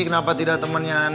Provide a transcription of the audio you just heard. kenapa tidak temennya neng